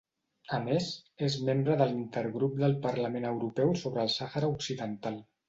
A més, és membre de l'Intergrup del Parlament Europeu sobre el Sàhara Occidental.